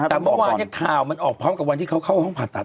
แต่เมื่อวานข่าวมันออกพร้อมกับวันที่เขาเข้าห้องผ่าตัด